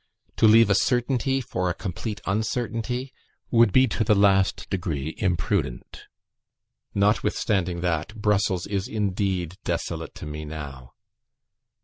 To leave a certainty for a complete uncertainty, would be to the last degree imprudent. Notwithstanding that, Brussels is indeed desolate to me now.